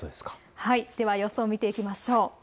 では予想を見ていきましょう。